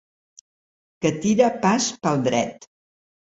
Que tira pas pel dret.